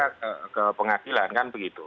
karena ke pengadilan kan begitu